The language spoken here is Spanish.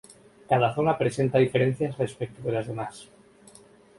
Cada zona presenta diferencias respecto de las demás.